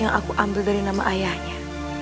yang aku ambil dari nama ayahnya